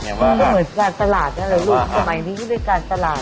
มันเหมือนการตลาดนั่นแหละลูกสมัยนี้อยู่ด้วยการตลาด